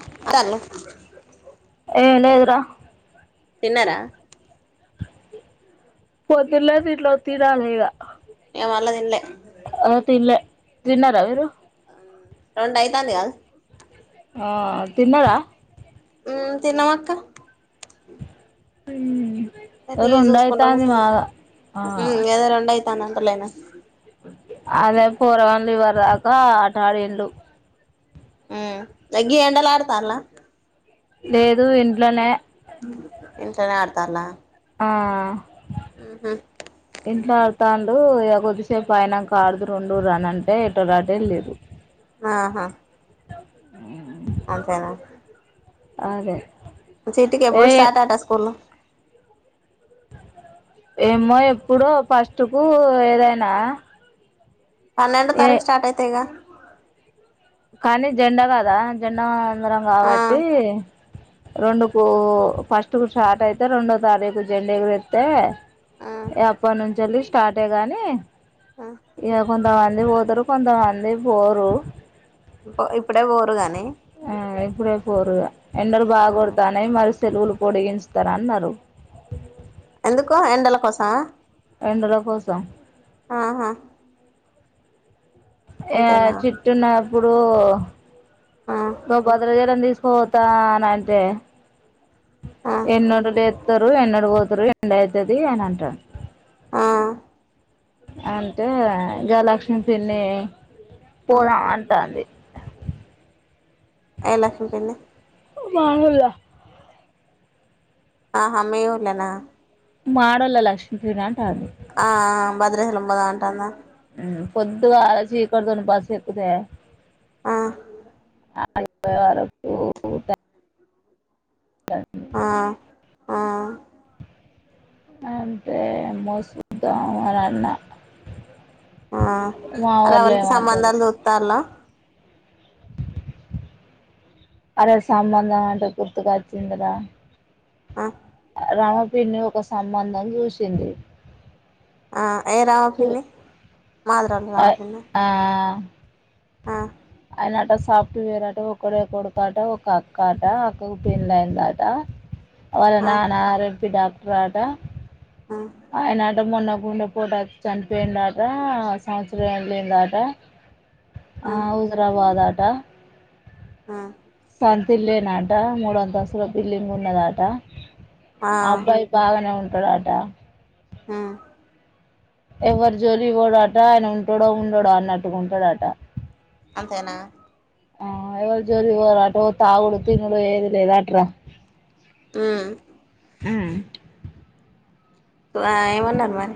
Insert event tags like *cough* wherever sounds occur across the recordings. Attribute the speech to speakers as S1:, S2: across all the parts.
S1: అత్తాళ్ళు
S2: రా
S1: తిన్నరా
S2: పోతిలేదు ఇట్ల ఒత్తిరాళ్ళు ఈడ
S1: ఇగ మళ్ళ తిన్లే
S2: తిన్నరా మీరు
S1: రొండైతాంది కాద్
S2: ఆ తిన్నారా
S1: మ్మ్ తిన్నమక్క
S2: హ్మూ
S1: టీవీ చూసుకుంట కూసున్న.
S2: ఆ
S1: మ్మ్ గదే రొండు తాన్ *unintelligible*
S2: అదే పోరగాండ్లు ఎవరు రాక అటు ఆడిండ్లు
S1: మ్మ్ గీ ఎండల ఆడతాన్ల
S2: లేదు ఇంట్లనే
S1: ఇంట్లనే ఆడతాన్లా
S2: ఆ
S1: మ్మ్ హ్మ్
S2: ఇంట్ల ఆడుతాండు ఇగ కొద్దిసేపు అయినాంకా ఆడుదురు ఉండుర్రీ అని అంటే ఎటోళ్ళు అటు ఎళ్ళిర్రు.
S1: ఆ హా
S2: అ
S1: అంతేనా
S2: ఆదే
S1: చిట్టికి ఎప్పుడు స్టార్ట్ అంట స్కూళ్ళు?
S2: ఏమో ఎప్పుడో ఫస్ట్ కు ఏదైనా.
S1: పన్నెండో
S2: ఏ
S1: తారీకు స్టార్ట్ అయితయి గా
S2: కానీ జెండా కాదా జెండా అందరం
S1: ఆ
S2: కాబట్టి రెండుకు ఫస్ట్ కు స్టార్ట్ అయితే రెండో తారీకు జెండ ఎగురేత్తే
S1: ఆ
S2: ఏ అప్పన్నుంచెల్లి స్టార్టే గాని
S1: ఆ
S2: ఇక కొం కొంతమంది పోతరు కొంతమంది పోరు
S1: ఇ ఇప్పుడే పోరుగానే
S2: ఆ ఇప్పుడే పోరుగా ఎండలు బాగ కొడతాన్నై మరి సెలవులు పొడిగించుతారన్నారు
S1: ఎందుకు ఎండల కోసమా
S2: ఎండల కోసం
S1: ఆహా
S2: యా
S1: అంతేనా
S2: చిట్టున్న ప్పుడు
S1: ఆ
S2: గో భద్రాచలం తీస్ పోతానంటే
S1: ఆ
S2: ఎన్నడు లేత్తరు ఎన్నడు పోతరు డైతది అనంటా
S1: ఆ
S2: అంటే గా లక్ష్మి పిన్నీ
S1: ఆ
S2: పోదమ్ అంటాంది
S1: ఏ లక్ష్మి పిన్ని
S2: మా ఊల్ల
S1: ఆహా మీ ఊళ్ళోన
S2: మాడోళ్ళ లక్ష్మీ పిన్నా
S1: ఆ ఆ భద్రాచలం బగా అంటాందా
S2: మ్ పొద్దుగా ఆ చీకటితోని బస్ ఎక్కుతే
S1: ఆ
S2: ఆడికి పొయ్యాలోపు ఇగ *unintelligible* *unintelligible*
S1: ఆ ఆ
S2: అంటే మోస్ ద్దాం అనన్నా
S1: ఆ రెవళ్ళకి సంబంధాలు చూస్తాల్లా
S2: అరే సంబంధం అంటే గుర్తుకచ్చిందిరా
S1: ఆ
S2: రామ పిన్నీ ఒక సంబంధం చూసింది
S1: ఆ ఏ రామ
S2: చూ
S1: పిన్ని మాదిరాలు రామ పిన్నా
S2: ఆ
S1: ఆ
S2: ఆయనట సాఫ్ట్వేర్ అట ఒకడే కొడుకుట ఒక అక్క అట అక్కకు పెండ్లయ్ అయిందట వాళ
S1: ఆ
S2: నానా ఆర్ యం పి డాక్ రాట
S1: ఆ
S2: ఆయనట మొన్న గుండె పోటు వచ్చి చనిపోయిండట సంవత్సరం ఎల్లిందట ఆ హుజరాబాద్ ఆ ట
S1: ఆ
S2: సొంత్తిళ్ళేనట మూడు అంతస్థుల బిల్డింగ్ ఉన్నదట
S1: ఆ
S2: అబ్బాయి బాగానే ఉ తడాట
S1: హ్మ్
S2: ఎవరి జోలికి పోడట ఆయన ఉంటాడో ఉండోడో అన్నట్టుగా ఉంటాడట
S1: అంతేనా
S2: ఆ ఎవళ జోలికి పోరంట తాగుడు తినుడు ఏది లేదట్రా
S1: హ్మ్
S2: హ్మ్
S1: ఏమన్నారు మరి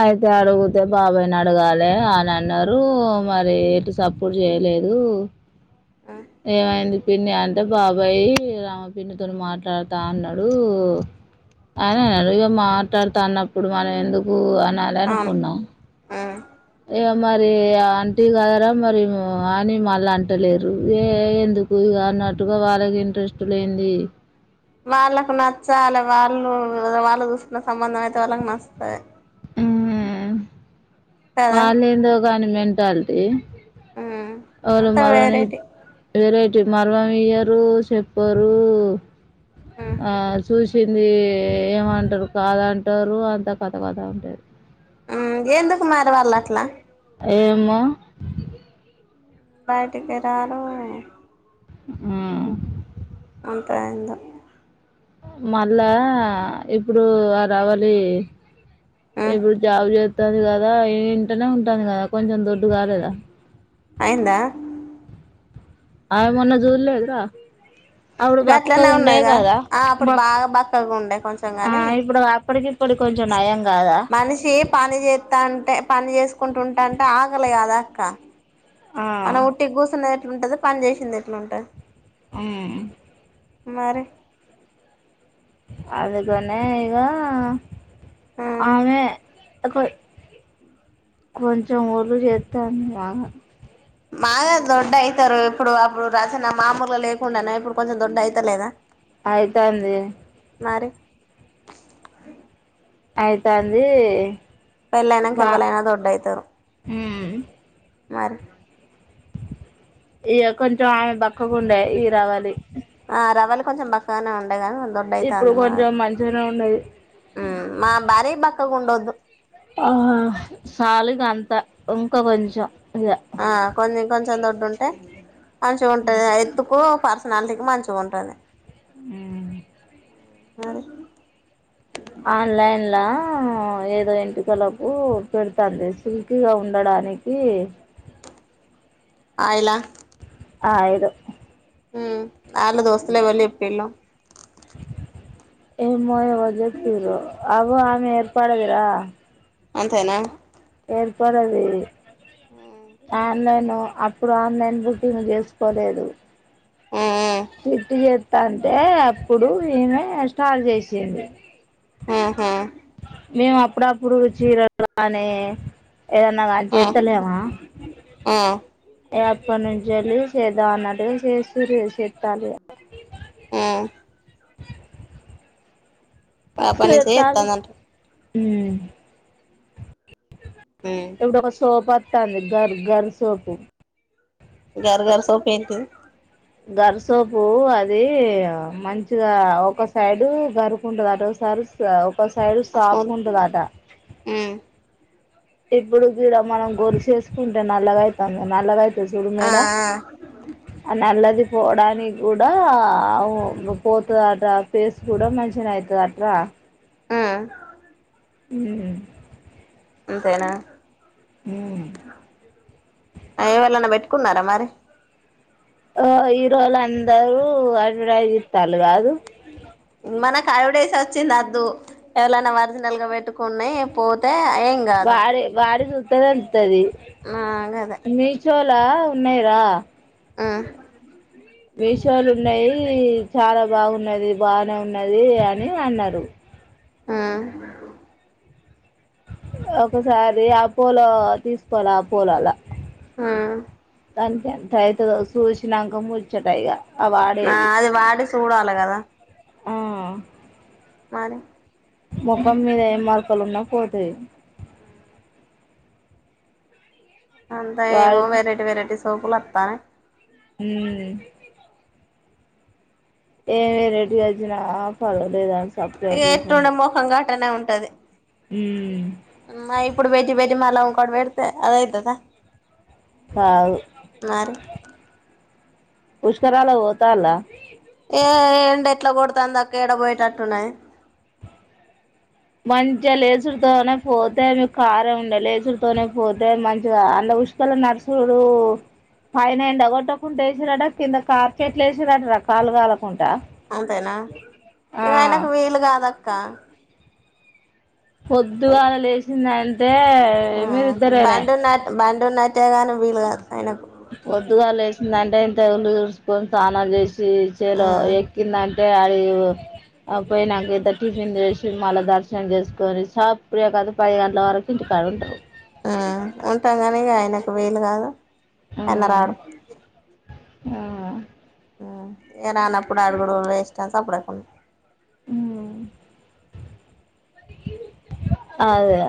S2: అయితే అడుగితే బాబాయ్ని అడగాలి ఆని అన్నారు మరి ఎటు సపోర్ట్ చేయలేదు ఏమైంది పిన్ని అంటే బాబాయ్ రామ పిన్నితో మాట్లాడుతా అన్నడు ఆని అన్నాడు ఇగ మాట్లాడతా అన్నప్పుడు మనం ఎందుకు అ నాలె
S1: అవును
S2: అనుకున్నాం
S1: ఉమ్
S2: మరి అంటివి కదరా మరి అని మళ్ళీ అంటలేరు ఏ ఎందుకు ఇగ అన్నట్టుగా వాళ్ళకి ఇంట్రెస్ట్ లేంది
S1: వాళ్ళకు నచ్చాలా వాళ్ళ వాళ్ళు చూసుకున్న సంబంధం అయితే వాళ్ళకి నచ్చుతది కదా
S2: వాళ్లేందో గానీ మెంటాల్టీ
S1: ఉమ్
S2: అ
S1: అంతా
S2: మారాని
S1: వెరైటీ
S2: వేరె మరమము ఇయ్యరు చెప్పరు
S1: ఉమ్
S2: ఆ చూ ప్పింది ఏమంటారు కాదంటారు అంతా కథ కథ ఉంటాది
S1: హ్మ్ ఎందుకు మరి వాళ్ళ అట్లా
S2: ఏమొ
S1: బయటకి రారు
S2: ఆ
S1: అంతైందో
S2: మళ్ళా ఇప్పుడు రావాలి
S1: ఉమ్
S2: ఇప్పుడు జావ్ జే వస్తుంది కదా ఇంటనే ఉంటుంది కదా కొంచెం దొడ్డు కాలేదా
S1: అయిందా
S2: అమే మొన్న జూల్లేదురా
S1: ఇక అట్లనే ఉన్నాదిగా ఆ అప్పుడు
S2: బక్
S1: బాగా బక్కగా ఉండే కొంచెం గాని
S2: ఇప్పుడు అప్పటికి ఇప్పటికి కొంచెం నయం కాదా
S1: మనిషి పని చేత్తంటే పని చేసుకుంటుంటాంటే ఆగలి కాదా అక్క
S2: ఆ,
S1: మనం ఉటిగ గూసన ఎట్లుంటది పని చేేసింది ఎట్లుంటది
S2: ఆ
S1: మరె
S2: అదిగనే ఇగ
S1: ఉమ్
S2: అమె కొ కొంచెం ఒళ్లు చేస్తాంది ఆమె
S1: బాగా దొడ్ అవుతారు ఇప్పుడు అప్పుడు రాసిన మామూలుగా లేకుండానే ఇప్పుడు కొంచెం దొడ్డ అవుతలేదా
S2: ఆయితాంది
S1: మరి
S2: అయితాంది
S1: పెళ్ళైనాంకా
S2: బా
S1: ఎవలైనా దొడ్డవుతారు
S2: మ్మ్
S1: మరి
S2: ఇక కొంచెం ఆమె బక్కకుండే ఇ రావాలి
S1: ఆ రవలు కొంచెం బక్కగానే ఉం గాని
S2: ఇప్పుడు
S1: దొడ్డవుతుంది మా
S2: కొంచెం మంచిగానే ఉన్నది
S1: మా భాడీ బక్కగా ఉండొద్దు
S2: ఆ హా సాలిగ అంతా కొంచెం ఇక
S1: ఆ కొన్ని కొంచం దొడ్డుంటే మంచిగా ఉంటాది ఎతుకు పర్ కంటికి మంచి గా ఉంటాది ఏమి మరి
S2: ఆన్లైన్ ల ఏదో ఇంటికలకు పెడుతుంది సిుల్క్గా ఉండడానికి
S1: అయలా
S2: ఆ ఆయదు
S1: మ్ ఆళ్ళ దోస్తులే వెళ్ళి ఎప్పళ
S2: ఏ మో పోజాక్ టూర అగొ ఏర్పాడుదురా
S1: అంతేనా
S2: ఏర్పడండి
S1: మ్మ్
S2: ఆ ఆన్లైన్ అప్పుడు ఆన్లైన్ బుకింగ్ చేసుకోలేదు
S1: మ్మ్
S2: తంటే అప్పుడు ఈమె స్టార్ట్ చేసింది
S1: ఆహా
S2: మేము అప్పుడప్పుడు చీరలానే ఏదన్నా అజి చేత్తలేవా
S1: మ్మ్
S2: ఎప్పటి నుంచి రీల్స్ చేద్దాం అన్నట్టుగా చేస్తూ చెత్తాలే
S1: మ్మ్ అబ్బా నేను చేయ్ తన్నదా
S2: హ
S1: మ్మ్
S2: ఇప్పుడు ఒక సోపా ట్టంది గర్ గర్ సోపు
S1: గార్ గర్ సోపయింటి
S2: గరిసోపు అది మంచిగా ఒక సైడు గరుకుంటది ఒకసారి ఒక సైడు
S1: ఆ
S2: షాపు
S1: స్పూన్
S2: ఉంటదంట
S1: మ్మ్
S2: ఇప్పుడు గుడ మనం గొలుసు ఎసుకుంటే నల్లగైతది నల్లగై
S1: ఆ ఆ
S2: చదుగున్నాడాఆ నల్లది *inaudible* పోడానికి దూడ ఆ ఆవు పోతుదంటా అట ఆ ఫేస్ కూడా మంచిగానే అయితాడంట
S1: ఆ
S2: హ్ము
S1: అంతేనా ఎ వాళనా బెఠ కున్నారా మరి
S2: ఆ హీరో లు అందరూ అడ్వడైజ్ ఇత్త లు కాదు
S1: మనకు అడ్వెట్డైస్ వచ్చింది అద్దు ఎవరైనా ఒరిజినల్ గా పెట్టుకున్నాయి పో
S2: వారి వారి సు సేవన్త్ తది
S1: ఆ గదే
S2: నీచో ఇట్ల ఉన్నాయి రా
S1: ఆ
S2: మీషోలు ఉన్నాయి చాలా బాగున్నది బానే ఉన్నది అని అన్నారు
S1: ఆ
S2: ఒకసారి ఆపోలో తీసుకోలాఆపో లలా
S1: ఆ
S2: దానికి ఎంత అయితదొ సూచినాంక ముర్చ్చట ఇగా
S1: ఆ అది వాడి చూడాలి కదా
S2: ఆ
S1: మరి
S2: మొఖం మీద ఎం మా క్కలన్నా పోతాయి
S1: అంతా ఏమో
S2: వాడి
S1: వెరైటీ వెరైటీ సోపులు వస్తానయి
S2: హ్మ్ ఏమి వెరైటి వచ్చిన ఫల లేదాంత
S1: ఇ ఎటు ఉండ మోకంఘాటనే ఉం టది
S2: ఉమ్
S1: మ ఇప్పుడు బెటి బెది మళ కొడబడతే అదాైతుదా
S2: వావ్ పుష్కరాల ఓతాలా
S1: ఏ ఎండ ఎట్లా కొడతంది అక్క ఏడ పోయేటట్టున్నాయి
S2: మంచిగా లేచలతోనే పోతే మీకు కారం ఉండే లేచలతోనే పోతే మంచిగా అంద ఉష్కల నర్సుడు పైనండ కొట్టకుంంటడా వేసిరాట కింద కార్పెట్లు వేసరాట రకాలుగాాల
S1: అంతేనా ఇక
S2: ఆ
S1: ఆయనకు వీలు కాదా క్క
S2: పొద్దుగాళ లేసింది ఏ మీరు ఇద్దరేనా
S1: అగా వీలు కాదు ఆయనకు
S2: పొద్దుగా వేసింది అంటే ఇంత చూ స్నానాలు చేసి చెలో
S1: ఉమ్
S2: ఎక్కిందంట డి పోయినాక ఇద్ద టిఫిన్ చేసి మళ్ళా దర్శనం చేసుకొని సపుకదు పది గంటల వరకు ఇంటికాడ ఉంటారు
S1: ఆ ఉంటాం కానీ ఆయనకు వీలు కాదు అయిన రాడు
S2: అవునా
S1: రా అన్నప్పుడు అడుగుడు వేస్ట్ సఅప్పుడుకు
S2: ఉమ్ అదే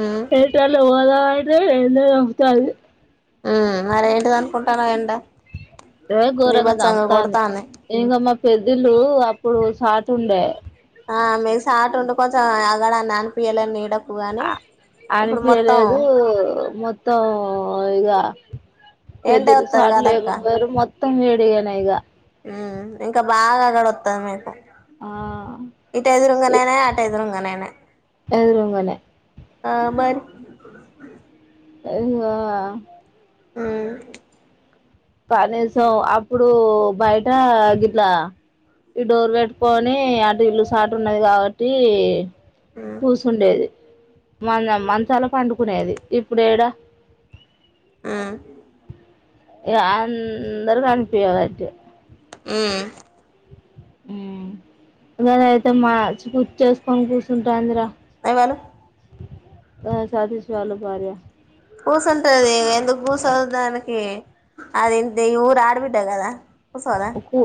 S1: ఉమ్
S2: ఏంటాల *unintelligible*
S1: ఉమ్ అరంట ననుకుంటన ఏండ
S2: ఇవే ఘోరంగా దంపుతాంది ఇంకా మా పెద్దూలు ఇప్పుడు చాట్ ఉండే
S1: ఆ మేస్ ఆట ఉండి అగడ నాని పియ్యాలని నీడ
S2: ఆ అనిపీయ లేదు మొత్తం ఇగా
S1: ఎండే
S2: పెద్దలు
S1: వత్తది
S2: సాట్లు
S1: కదక్క
S2: లేకపోయరు మొత్ త్తం వేడిగానే ఇగా
S1: హ్మ్ ఇంకా బాగా గడుత్తాది మీకు
S2: ఆ
S1: ఇట ఎదురుంగా నేనే అట ఎదురుంగా నేనే
S2: ఎదురుంగనే
S1: ఆ మరి
S2: అ ఇంగా
S1: హ్మ్
S2: కనీసం అప్పుడూ బయట గిట్లా ఈ డోర్ పెట్టుకొని అటు ఇల్లు సాటు ఉన్నది కాబట్టి,
S1: మ్మ్
S2: కూసుండేది మన మంచాల పండుకునేది ఇప్పుడేడ
S1: హ్మ్
S2: ఇగ అందరు కనిపియ బెటె
S1: హ్మ్
S2: హ్మ్ గదైతే మాచి కుర్చి ఏసుకొని కూర్చుంటాందిర
S1: హలో
S2: అ సాది సవాల భార్య
S1: కూసుంటది ఎందుకు కోసోదు దానికి అది ఇంటి ఈ ఊరి ఆడబిడ్డ కదా సరే
S2: కూ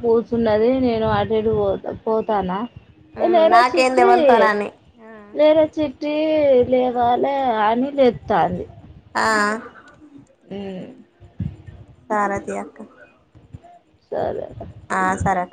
S2: కూర్చున్నది నేను అటు ఇటు పో పోతానా
S1: మ్మ్
S2: లేరా
S1: నాకేంది
S2: చిట్టీ
S1: ఎవలితోనని
S2: లేర చిట్ టి లేగాలే అని లెత్తాంది
S1: ఆ హారతీ అక్క
S2: సరే
S1: ఆ సరక